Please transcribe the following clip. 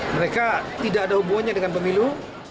mereka tidak ada hubungannya dengan pemilu